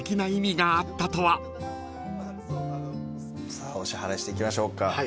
さあお支払いしていきましょうか。